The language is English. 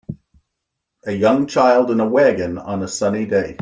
A young child in a wagon on a sunny day.